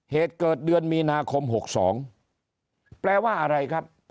เหตุเกิดเดือนมีนาคม๖๒แปลว่าอะไรครับ